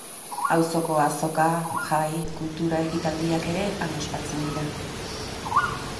Auzoko azoka, jai, kultura ekitaldiak ere han ospatzen dira.